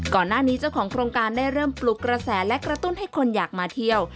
เจ้าของโครงการได้เริ่มปลุกกระแสและกระตุ้นให้คนอยากมาเที่ยว